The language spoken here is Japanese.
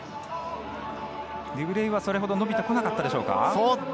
デュブレイユは、それほど伸びてこなかったでしょうか？